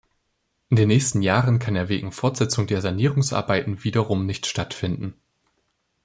In den nächsten Jahren kann er wegen Fortsetzung der Sanierungsarbeiten wiederum nicht stattfinden.